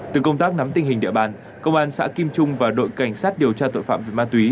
từ công tác nắm tình hình địa bàn công an xã kim trung và đội cảnh sát điều tra tội phạm về ma túy